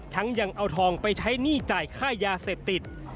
ยังเอาทองไปใช้หนี้จ่ายค่ายาเสพติด